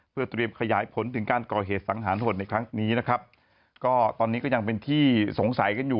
เพื่อเตรียมขยายผลถึงการก่อเหตุสังหารโหดในครั้งนี้นะครับก็ตอนนี้ก็ยังเป็นที่สงสัยกันอยู่